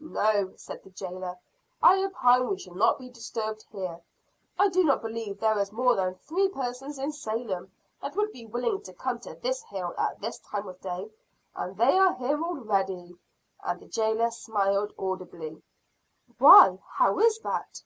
"No," said the jailer. "I opine we shall not be disturbed here. I do not believe there is more than three persons in Salem that would be willing to come to this hill at this time of day, and they are here already." And the jailer smiled audibly. "Why, how is that?"